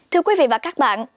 thưa quý vị và các bạn